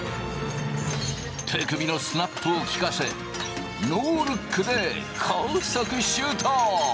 手首のスナップを利かせノールックで高速シュート！